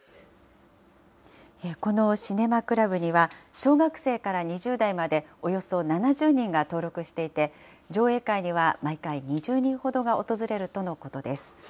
このシネマクラブには小学生から２０代まで、およそ７０人が登録していて、上映会には毎回、２０人ほどが訪れるとのことです。